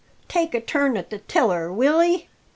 take a turn at the tiller, will 'ee?"